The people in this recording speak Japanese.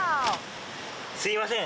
すみません